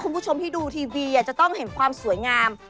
คุณผู้ชมที่ดูทีวีจะต้องเห็นความสวยงาม